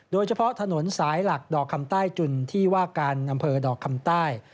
โดยเฉพาะถนนสายหลักดอกคำใต้จุนที่ว่าการอำเภอดอกคำใต้